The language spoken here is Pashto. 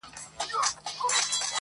زخمي نصیب تر کومه لا له بخته ګیله من سي،